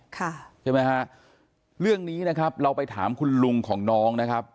ใช่ไหมฮะเรื่องนี้นะครับเราไปถามคุณลุงของน้องนะครับ